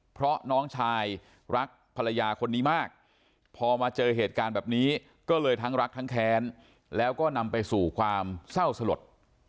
เพราะน้องชายรักภรรยาคนนี้มากพอมาเจอเหตุการณ์แบบนี้ก็เลยทั้งรักทั้งแค้นแล้วก็นำไปสู่ความเศร้าสลด